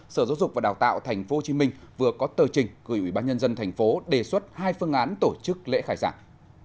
sở giáo dục và đào tạo tp hcm vừa có tờ trình gửi ubnd tp hcm đề xuất hai phương án tổ chức lễ khai giảng